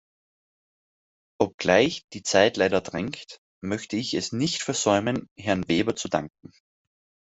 Obgleich die Zeit leider drängt, möchte ich es nicht versäumen, Herrn Weber zu danken.